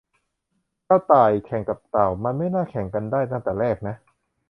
กระต่ายแข่งกับเต่า มันไม่น่าแข่งกันได้ตั้งแต่แรกนะ